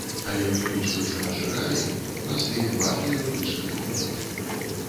Але, улічваючы нашы рэаліі, у нас вельмі важны юрыдычны дакумент.